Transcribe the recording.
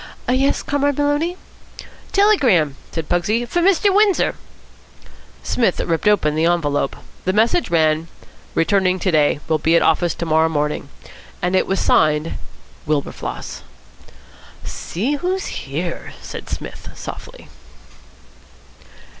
"Yes, Comrade Maloney?" "Telegram," said Pugsy. "For Mr. Windsor." Psmith ripped open the envelope. The message ran: "Returning to day. Will be at office to morrow morning," and it was signed "Wilberfloss." "See who's here!" said Psmith softly.